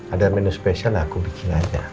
ada menu spesial aku bikin aja